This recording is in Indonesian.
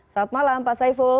saat malam pak saiful